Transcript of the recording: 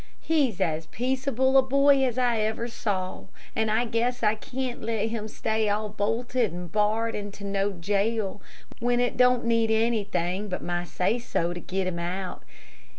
He's as peaceable a boy as ever I saw, and I guess I can't let him stay all bolted and barred into no jail, when it don't need anythin' but my say so to get him out.